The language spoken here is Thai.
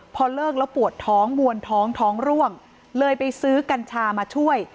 พอเลิกแล้วปวดท้องมวลท้องท้องร่วงเลยไปซื้อกัญชามาช่วย